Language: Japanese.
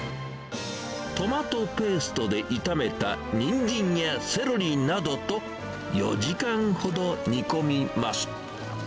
トマトペーストで痛めたニンジンやセロリなどと４時間ほど煮込みます。